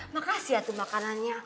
makasih ya tuh makanannya